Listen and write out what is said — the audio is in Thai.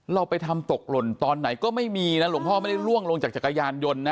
เราไปทำตกหล่นตอนไหนก็ไม่มีนะหลวงพ่อไม่ได้ล่วงลงจากจักรยานยนต์นะ